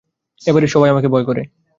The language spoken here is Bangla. এ-বাড়ির সবাই আমাকে ভয় করে।